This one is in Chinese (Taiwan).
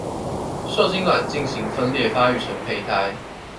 受精卵進行分裂發育成胚胎